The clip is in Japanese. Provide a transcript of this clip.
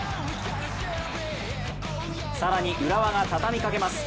更に浦和がたたみかけます。